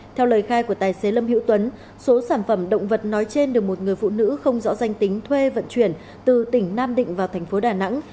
theo lời khai của tài xế lâm hữu tuấn số sản phẩm động vật nói trên được một người phụ nữ không rõ danh tính thuê vận chuyển từ tỉnh nam định vào thành phố đà nẵng